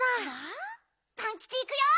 パンキチいくよ。